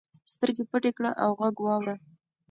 سترګې پټې کړه او غږ واوره.